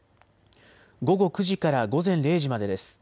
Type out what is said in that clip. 午後９時から午前０時までです。